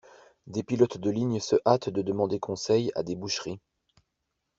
Des pilotes de ligne se hâtent de demander conseil à des boucheries.